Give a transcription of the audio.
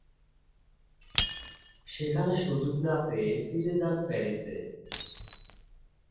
সেখানে সুযোগ না পেয়ে ফিরে যান প্যারিসে।